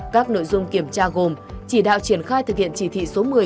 các nội dung kiểm tra gồm chỉ đạo triển khai thực hiện chỉ thị số một mươi